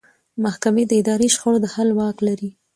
محکمې د اداري شخړو د حل واک لري.